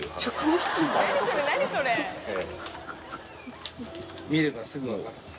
店主）見ればすぐ分かる。